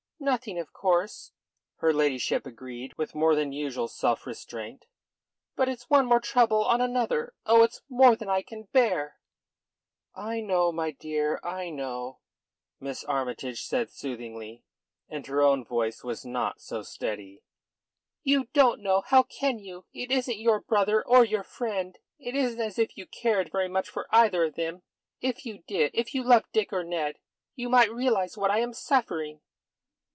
"Nothing, of course," her ladyship agreed, with more than usual self restraint. "But it's one trouble on another. Oh, it's more than I can bear." "I know, my dear, I know," Miss Armytage said soothingly, and her own voice was not so steady. "You don't know! How can you? It isn't your brother or your friend. It isn't as if you cared very much for either of them. If you did, if you loved Dick or Ned, you might realise what I am suffering."